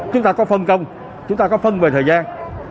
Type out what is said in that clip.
chúng ta có phân công chúng ta có phân về thời gian